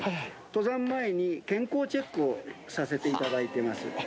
登山前に健康チェックをさせていただいてます。